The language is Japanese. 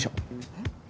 えっ？